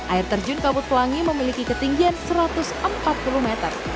air terjun kabut pelangi memiliki ketinggian satu ratus empat puluh meter